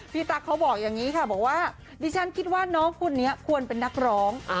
ตั๊กเขาบอกอย่างนี้ค่ะบอกว่าดิฉันคิดว่าน้องคนนี้ควรเป็นนักร้อง